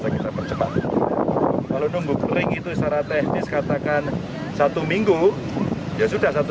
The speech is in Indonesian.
kita percepat kalau nunggu kering itu secara teknis katakan satu minggu ya sudah satu